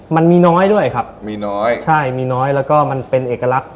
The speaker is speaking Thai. มันมีน้อยด้วยครับมีน้อยใช่มีน้อยแล้วก็มันเป็นเอกลักษณ์